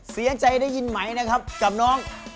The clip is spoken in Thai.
เสียใจได้ยินใหม่นะครับกับน้อง